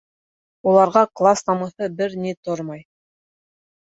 Уларға класс намыҫы бер ни тормай.